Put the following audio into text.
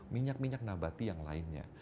minyak minyak nabati yang lainnya